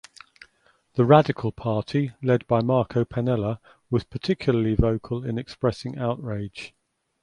The Radical Party led by Marco Pannella was particularly vocal in expressing outrage.